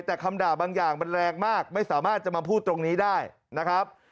แต่คำด่าบางอย่างมันแรงมากไม่สามารถจะมาพูดตรงนี้ได้นะครับ